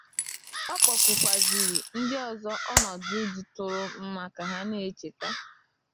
Ọ kpọkukwazịrị ndị ọzọ ọnọdụ dịtụụrụ mma ka ha na-echeta